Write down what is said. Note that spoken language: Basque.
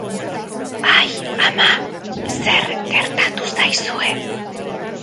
Ai, ama, zer gertatu zaizue?